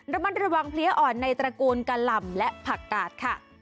ระมัดระวังเพลียอ่อนในตระกูลกะหล่ำและผักกาดค่ะ